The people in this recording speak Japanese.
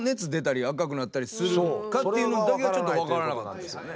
するのかっていうのだけはちょっとわからなかったですけどね。